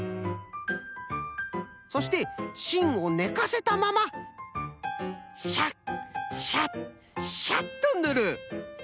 そしてしんをねかせたままシャッシャッシャッとぬる。